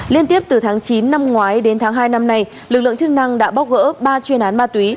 liên tiếp từ tháng chín năm ngoái đến tháng hai năm nay lực lượng chức năng đã bóc gỡ ba chuyên án ma túy